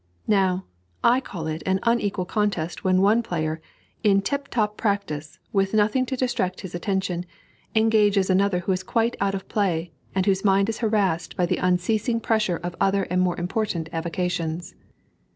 Now, I call it an unequal contest when one player, in tiptop practice, with nothing to distract his attention, engages another who is quite out of play, and whose mind is harassed by the unceasing pressure of other and more important avocations.